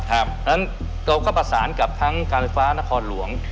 เพราะฉะนั้นเราก็ประสานกับทั้งการไฟฟ้านครหลวง